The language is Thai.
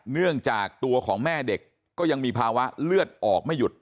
เนื่องจากตัวของแม่เด็กก็ยังมีภาวะเลือดออกไม่หยุด